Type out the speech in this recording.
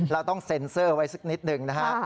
เราต้องเซ็นเซอร์ไว้สักนิดหนึ่งนะฮะ